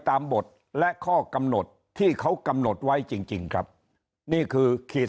ตามบทและข้อกำหนดที่เขากำหนดไว้จริงครับนี่คือขีด